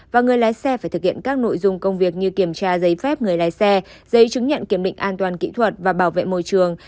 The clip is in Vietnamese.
và người lái xe phải thực hiện các nội dung công việc như kiểm tra giấy phép người lái xe giấy chứng nhận kiểm định an toàn kỹ thuật và bảo vệ môi trường